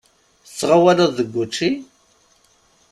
Tettɣawaleḍ deg wučči?